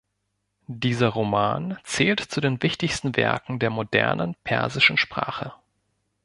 Dieser Roman zählt zu den wichtigsten Werken der modernen persischen Sprache.